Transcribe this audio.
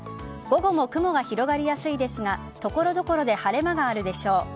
午後も雲が広がりやすいですが所々で晴れ間があるでしょう。